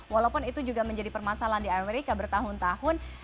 walaupun itu juga menjadi permasalahan di amerika bertahun tahun